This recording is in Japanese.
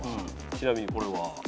ちなみにこれは？